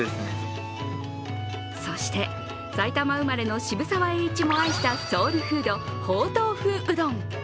そして、埼玉生まれの渋沢栄一も愛したソウルフード、ほうとう風うどん。